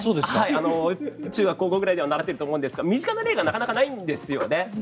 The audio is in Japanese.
中学、高校くらいで習っていると思うんですが身近な例がなかなかないんですよね。